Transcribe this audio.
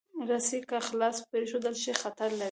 رسۍ که خلاصه پرېښودل شي، خطر لري.